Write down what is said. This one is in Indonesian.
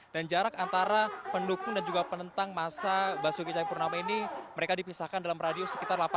dan jarak antara pendukung dan juga penentang masa basuki cahayapurnama ini mereka dipisahkan dalam peradaban